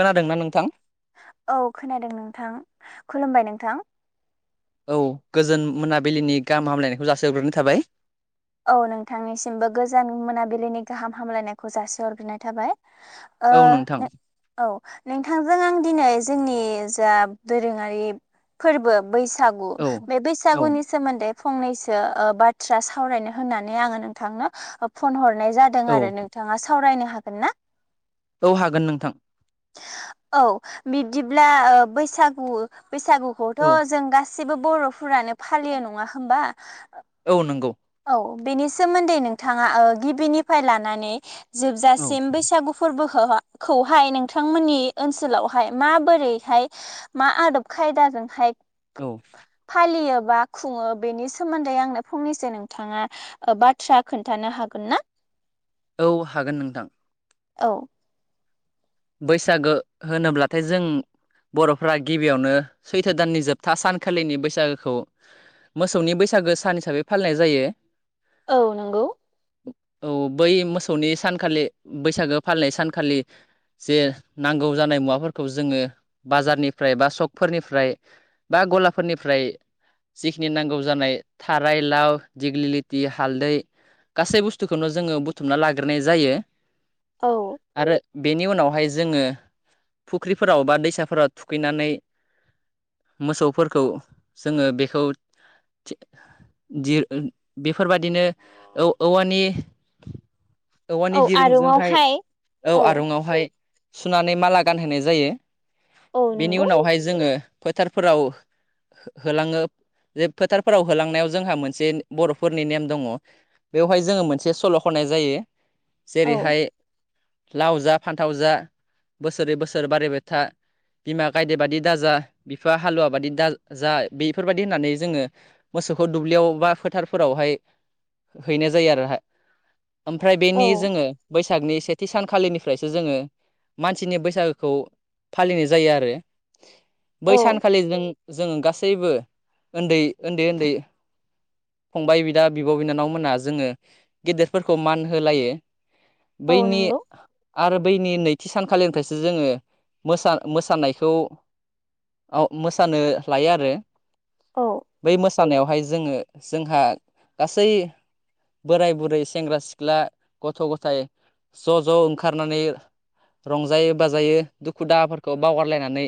खोनादोंना नोंथां औ खोनादों नोंथां खुलुमबाय नोंथां औ गोजोन मोनाबिलिनि गाहाम हामलायनायखौ जासि हरग्रोनाय थाबाय औ नोंथांनिसिमबो गोजान मोनाबिलिनि गाहाम हामलायनायखौ जासिहरग्रोनाय थाबाय ओ औ नोंथांजों आं दिनै जोंनि जा दोरोङारि फोरबो बैसाग बैसागु बे बैसागुनि सोमोन्दै फंनैसो ओ बाथ्रा सावरायनो होननानै आङो नोंथांनो फन हरनाय जादों आरो नोंथाङा सावरायनो हागोन ना? औ हागोन नोंथां। औ बिब्दिब्ला ओ बैसागु बैसागुखौथ' जों गासि गासिबो बर'फोरानो फालियो नङा होमबा औ नोंगौ अ बेनि सोमोन्दै नोंथाङा ओ गिबिनिफ्राय लानानै जोबजासिम बैसागु फोरबोखौ खौहाय नोंथांमोननि ओनसोलावहाय माबोरैहाय मा आदब खायदा जों हाइ औ फालियो बा खुङो बेनि सोमोन्दै आंनो फंनैसो नों नोंथाङा ओ बाथ्रा खोन्थानो हागोन ना औ हागोन नोंथां औ बैसागो होनोब्लाथाय जों बर'फ्रा गिबियावनो सैथो दाननि जोबथा सानखालिनि बैसागोखौ मोसौनि बैसागो सान हिसाबै फालिनाय जायो औ नोंगौ औ बै मोसौनि सानखालि बैसागो फालिनाय सानखालि जे नांगौ जानाय मुवाफोरखौ जोङो बाजारनिफ्राय बा सकफोरनिफ्राय बा गलाफोरनिफ्राय जिखिनि नांगौ जानाय थाराय लाव दिग्लिलिथि हालदै गासै बुस्थुखौनो जोङो बुथुमना लाग्रोनाय जायो औ बेनि उनावहाय जोङो फुख्रिफोराव बा दैसाफोराव थुखैनानै मोसौफोरखौ जोङो बेखौ बेफोरबादिनो औ औवानि औवानि दिरुंजोंहाय औ आरंआवहाय सुनानै माला गानहैनाय जायो बेनि उनावहाय जोङो फोथारफोराव होलाङो जे फोथारफोराव होलांनायाव जोंहा मोनसे बर'फोरनि नेम दङ बेवहाय जोङो मोनसे सल' खनाय जायो जेरैहाय लाव जा फान्थाव जा बोसोरै बोसोर बारिबायथा बिमा गायदे बादि दाजा बिफा हालुवा बादि दा जा बेफोरबायदि होननानै जोङो मो सौखौ दुब्लियाव बा फोथारफोरावहाय हैनाय जायो आरो ओमफ्राय बेनि जोङो बैसागनि सेथि सानखालिनिफ्राय जोङो मानसिनि बैसागोखौ फालिनाय जायो आरो बै सानखालिजों जोङो गासैबो उन्दै उन्दै उन्दै फंबाय बिदा बिब' बिनानाव मोना जोङो गेदेरफोरखौ मान होलायो बैनि आरो बैनि नैथि सानखालिनिफ्रायसो जोङो मोसा मोसानायखौ औ मोसानो लायो आरो बै मोसा मोसानायावहाय जोङो जोंहा गासै बोराय बुरै सेंग्रा सिख्ला गथ' गथाय ज' ज' ओंखा खारनानै रंजायै बाजायो दुखु दाहाफोरखौ बावगारलायनानै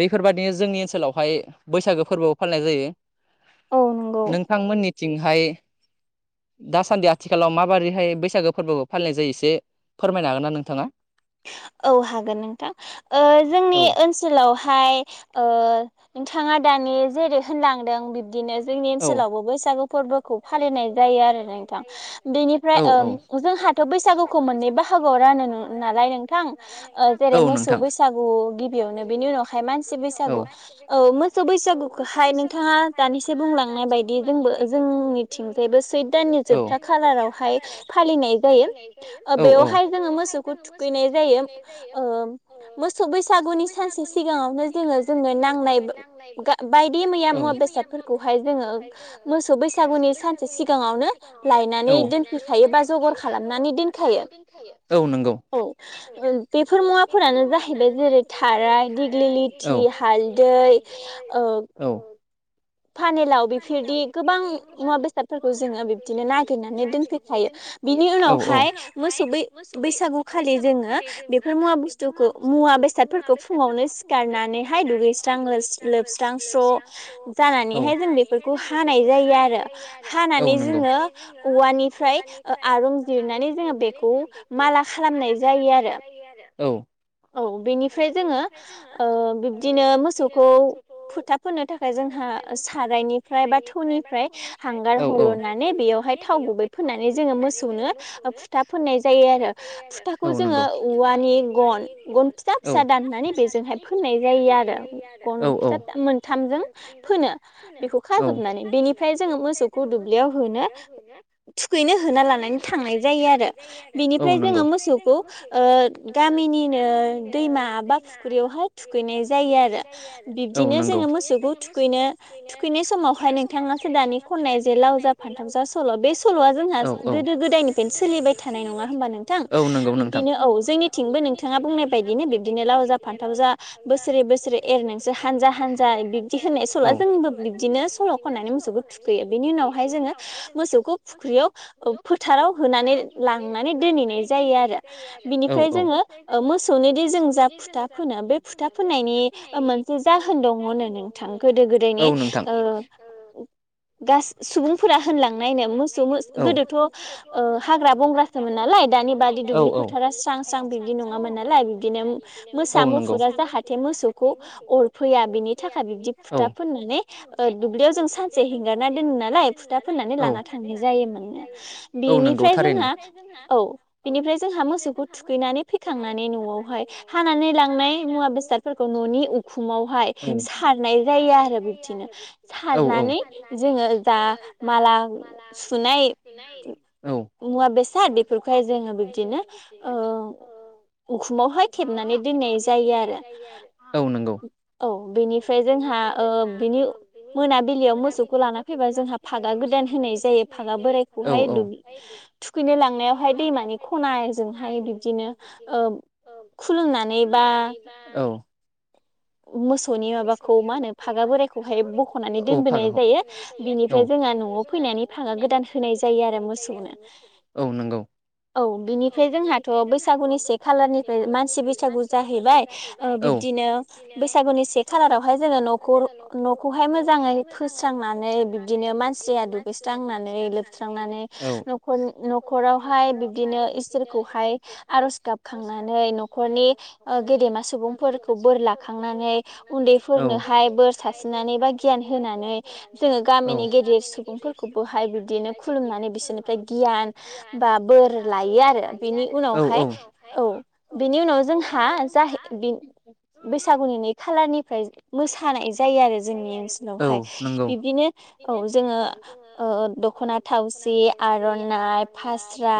बैफोरबादिनो जोंनि ओनसोलावहाय बैसागो फोरबोआव फालिनाय जायो नोंथांमोननि थिंहाय दासान्दि आथिखालाव माबोरैहाय बैसागो फोरबोखौ फालिनाय जायो एसे फोरमायनो हागोन ना नोंथाङा? औ हागोन नोंथां ओ जोंनि ओनसोलावहाय ओ नोंथाङा दानि जेरै होनलांदों बिब्दिनो जोंनि ओनसोलावबो बैसागु फोरबोखौ फालिनाय जायो आरो नोंथां बेनिफ्राय जोंहाथ' बैसागुखौ मोननै बाहागोआव रानो नालाय नालाय नोंथां जेरै मोसौ बैसागु गिबियावनो बेनि उनावहाय मानसि बैसागु औ मोसौ बैसागुखौहाय नोंथाङा दानिसो बुंलांबाय नायबायदि जोंबो जोंनिथिंजायबो सैत्र दाननि जोबथा खालारावहाय फालिनाय जायो बेयावहाय जों मोसौखौ थुखैनाय जायो ओ मोसौ बैसागुनि सानसे सिगाङावनो जोङो जोंनो न बायदि मैया मुवा बेसादफोरखौहाय जोङो मोसौ बैसागुनि सानसे सिगाङावनो लायनानै दोनफैखायो बा जगार खालाम औ नंगौ औ बेफोर मुवाफोरानो जाहैबाय जेरै थारा दिग्लिलिथि हालदै हाल्दै [inaudible] ओ फानेलाव बेफोरबादि गोबां मुवा बेसादफोरखौ जोङो बिब्दिनो नागिरनानै दोनफैखायो बिनि उनावहाय मोसौै बै बैसागु खालि जोङो बेफोर मुवा बुस्थुखौ मुवा बेसादफोरखौ फुङावनो सिखारनानैहाय दुगैस्रां लोबस्रां स्र जानानैहाय जों बेफोरखौ‌ होनाय जायो आरो हानानै जोङो अवानिफ्राइ ओ [inaudible] रुजिरनानै जोङो बेखौ माला खालामनाय जायो आरो औ औ बेनिफ्राय जोङो ओ‌ बिब्दिनो मोसौखौ फोथा फोनो थाखाय जों जोंहा सारायनि फ्राय बा थौनिफ्राय हांगार हल'ननानै बेयावहाय थाव गुबै फोननानै जोङो मोसौनो फोथा फोननाय जायो आरो फोथाखौ जोङो औवानि गन गन फिसा-फिसा दाननानै बेजोंहाय फोननाय जायो आरो गन फिसा मोनथामजों फोनो बेखौ खाजोबनानै बेनिफ्राय जोङो मोसौखौ दुब्लियाव होनो थुखैनो होना लानानै थांनाय जायो आरो बिनिफ्राय जोङो मोसौखौ ओ गामिनि दैमा बा फुख्रियावहाय थुखैनाय जायो आरो बिब्दिनो जोङो मोसौखौ थुखैयो थुखैनो थुखैनो समावहाय नोंथाङासो दानि खननाय जे लाव जाा फान्थामसा सल' बे सल'आ जोंहा गोदो गोदायनिफ्राय सोलिबाय थानाय नङा होमबा नोंथां बिब्दिनो औ जोंनिथिंबो नोंथां नोथाङा बुंनाय बायदिनो बिब्दिनो लाव जा फान्थाव जा बोसोरे बोसोरे एर नोंसोर हानजा-हानजा बिबदि होननाय सल'वा जोंबो बिदिनो सल' खननानै मोसौखौ थुखैयो बेनि उनावहाय जोङो मोसौखौ फुख्रियाव फोथाराव होनानै लांनानै दोनहैनाय जायो आरो बिनिफ्राय जोङो मोसौनोदि जों जा फोथा फोनो बे फोथा फुननायनि मोनसे जाहोन दङनो नोंथां गोदो-गोदायनि [unintelligible] [inaudible] सुबुंफोरा होनलांनायनो मोसौ म गोदोथ' हाग्रा बंग्रासोमोन नालाय दानि नि बादि दुब्लि फोथारा स्रां स्रां बिब्दि नङामोन नालाय बिदिनो मोसा मुफुरा जाहाथे मोसौखौ अरफैया बिनि थाखाय दि फोथा फुननानै ओ दुब्लियाव जों सानसे हेंगारना दोनो नालाय फोथा फुननानै लाना थांनाय जायोमोननो बिनिफ्राय जोंहा औ बिनिफ्राय जोंहा मोसौखौ थुखैनानै फै खांनानै न'आवहाय हानानै लांनाय मुवा बेसादफोरखौ न'नि उखुमावहाय सार खां नाय जायो आरो बिदिनो सारनानै जोङो दा माला सुनाय मुवा बेसाद बेफोरखौहाय जोङो बिब्दिनो ओ उखुमावहाय थेबनानै दोननाय जायो आरो औ बेनिफ्राय जोंहा आ ओ बेनि मोनाबिलि थुखैनो लांनायावहाय दैमानि खनाजोंहाय बिबदिनो ओ खुलुमनानै बा मोसौनि माबाखौ मा होनो फागा बोरायखौहाय बखनानै दोनबोनाय जायो फैनानै फांगा गोदान होनाय जायो आरो मोसौनो औ बिनिफ्राय जोंहाथ बैसागु [unintelligible] से खालारावहाय जोङो न'खर नखौहाय मोजाङै फोस्रांनानै बिबदिनो मानसिया दुगै स्रांनानै लोबस्रांनानै नख नखरावहाय बिब्दिनो इसोरखौहाय आरज गाबखांनानै नखरनि ओ गेदेमा सुबुंफोरखौ बोर लाखांनानै उन्दैफोरनोहाय बोर सारसिननानै बा गियान होनानै जोङो गामिनि गेदेर सुबुंफोरखौ बहाय बिबदिनो खुलुमनानै बिसोरनिफ्राय गियान बा बोर लायो आरो बिनि उनावहाय औ बेनि उनाव जोंहा जाहैबाय बैसागुनि खाालारनिफ्राय मोसानाय जायो आरो जोंनि ओनसोलावहाय बिब्दिनो औ जोङो दखना थावसि । जि, आरनाइ, फास्रा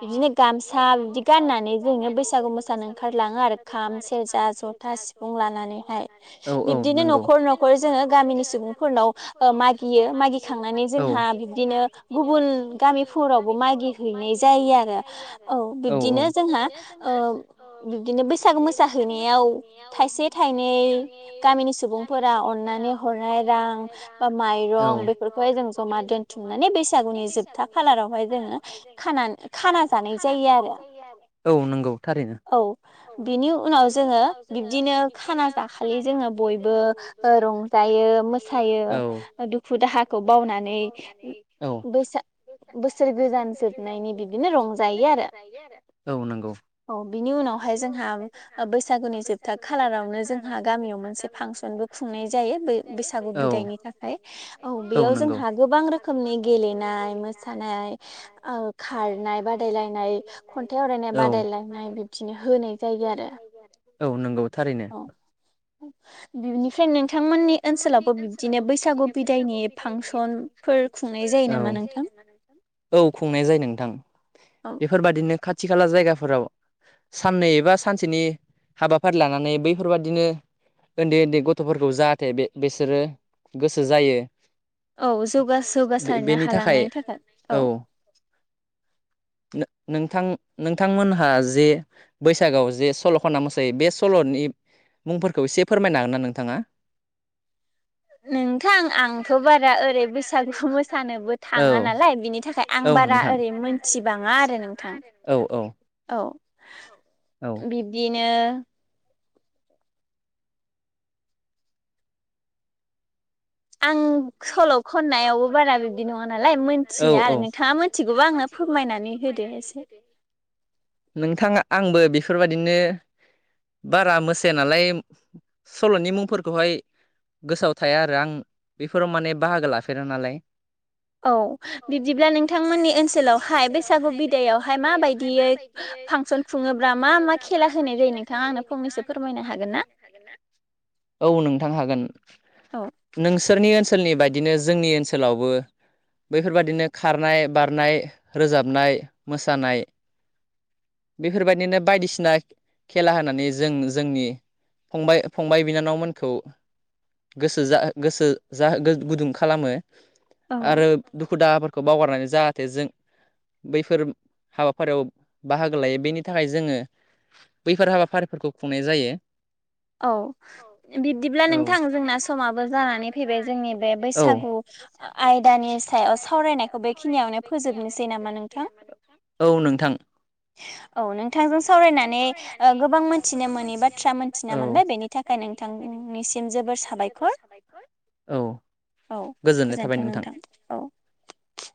बिदिनो गामसा बिदि गाननानै जोङो बैसागु मोसानो ओंखारलाङो आरो खाम सेरजा जथा सिफुं लानानैहाय। औ औ नंगौ। नखर जोङो गामिनि सुबुंफोरनाव मागियो मागिखांनानै जोंहा बिब्दिनो गुबुन। गामिफोरावबो मागि हैनाय जायो आरो औ। बिदिनो जोंहा बिदिनो बैसागु मोसाहैनायाव थाइसे थाइनै। गामिनि सुबुं फोरा अननानै हरनाय रां बा माइरं बेफोरखौहाय जों जमा दोनथुमनानै बैसागु। नि जोबथा खालारावहाय जोङो खाना जानाय जायो आरो। औ नंगौ। औ बिनि उनाव जोङो बिब्दिनो खाना जाखालि जोङो बयबो बयबो रंजायो मोसायो दुखु दाहाखौ बावनानै बैसाग बोसोर गोदान जोबनायनि बिदिनो रंजायो आरो। औ नंगौ। औ बिनि उनावहाय जोंहा बैसागुनि जोबथा खालारावनो जोंहा गामियाव मोनसे मोनसे फांसनबो खुंनाय जायो बे बैसागु बिदायनि थाखाय औ बेयाव जोंहा गोबां रोखोमनि नि गेलेनाय मोसानाय खारनाय बादायलायनाय। खन्थाइ आवरायनाय बादायलायनाय बिबदिनो होनाय जायो आरो औ। ओ बिनिफ्राय नोंथांमोननि ओनसोलावबो बिब्दिनो बैसागु बिदायनि फांसन फोर खुंनाय जायो। औ खुंनाय जायो नोंथां, औ खुंनाय जायो नोंथां बेफोरबादिनो खाथि खाला जायगाफोराव साननै एबा सानसेनि हाबाफारि लानानै बैफोरबाददिनो उन्दै उन्दै गथ गथफोरखौ जाहाथे बे बिसोरो गोसो जायो औ जौगास जौगासारनो हालांनायनि थाखाय औ । नोंथां नोंथांमोनहा जे बैसागआव जे सल खना मोसायो बे सल सलनि मुंफोरखौ एसे फोरमायनो हागोन ना नोंथाङा? नोंथां आंथ बारा ओरै बैसागु मोसानोबो थाङा नालाय बिनि थाखाय आं आं बारा ओरै मोनथिबाङा आरो नोंथां औ। बिब्दिनो आं फल खननायावबो बारा बिदिनोमोन आरो औ औ आरो नोंथाङा मिथिगौमोन नोंथां आंनो फीरमायनानै हीदी नोंथाङा आंबो बेफोरबायदिनो बारा मोसायानालाय सल'नि मुंफोरखौहाय गोसोआव थाया आरो आं बेफोराव माने बाहागो लाफेरा नालाय। औ बिदिब्ला नोंथांमोननि ओनसोलावहाय बैसागु बिदायावहाय माबायदि फांसन सुङोब्ला मा मा खेला होनाय जायो नोंथाङा आंनो फंनैसो फोरमायनो हागोन ना? औ नोंथां हागोन, नोंसोर नि ओनसोलनि बायदिनो जोंनि ओनसोलावबो। बैफोरबादिनो खारनाय, बारनाय, रोजाबनाय, मोसानाय बेफोरबायदिनो बायदिसिना खेला होनानै जों जोंनि फबाय फंबाय बिनानावमोनखौ गोसो जा गोसो जा गुदुं खालामो आरो दुखु दाहाफोरखौ बावगारनानै जाहाथे जों बैफोर हाबाफारियाव बाहागो लायो, बेनि थाखाय जोङो बैफोर हाबाफारिफोरखौ खुंनाय जायो। औ बिब्दिब्ला नोंथां जोंना समाबो जानानै फैबाय । जोंनि बे बैसागु आयदानि सायाव सावरायनायखौ बेखिनियावनो फोजोबनोसै नामा नों औ नोंथां । औ नोंथांजों सावरायनानै ओ गोबां मोनथिनो मोननि बाथ्रा मोन औ मिथिना मोनबाय बेनि थाखाय नोंथांनिसिम जोबोर साबायखर । औ गोजोन्थों नोंथां औ ।